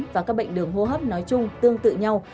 và các bệnh đường hô hấp nói chung tương tự nhau